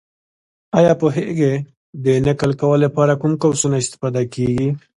ایا پوهېږې! د نقل قول لپاره کوم قوسونه استفاده کېږي؟